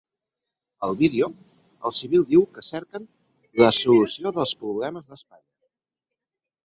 Al vídeo, el civil diu que cerquen ‘la solució dels problemes d’Espanya’.